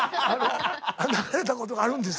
流れたことがあるんです。